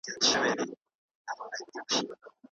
مثبت تاثیرات مو په روح اغېز کوي.